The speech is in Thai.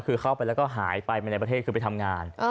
คือเข้าไปแล้วก็หายไปมาในประเทศคือไปทำงาน